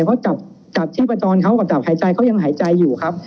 เพราะจับที่ประจอนเขากับจับหายใจเขายังหายใจอยู่ครับ